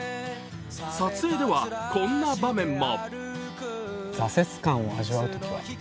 撮影ではこんな場面も。